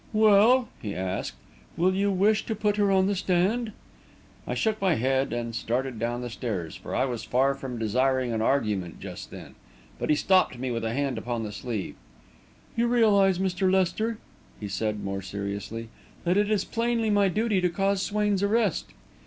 "Well," he asked, "will you wish to put her on the stand?" I shook my head and started down the stairs, for I was far from desiring an argument just then, but he stopped me with a hand upon the sleeve. "You realise, Mr. Lester," he said, more seriously, "that it is plainly my duty to cause Swain's arrest?"